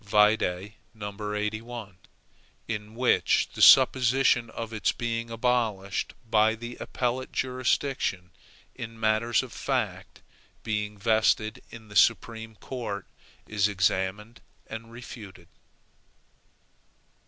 Vide No. 81, in which the supposition of its being abolished by the appellate jurisdiction in matters of fact being vested in the Supreme Court, is examined and refuted.